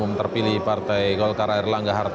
untuk berkongsi tentang hal tersebut